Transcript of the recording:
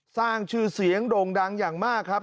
สร้างชื่อเสียงโด่งดังอย่างมากครับ